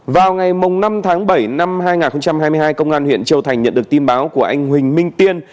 vào ngày năm tháng bảy năm hai nghìn hai mươi hai công an huyện châu thành nhận được tin báo của anh huỳnh minh tiên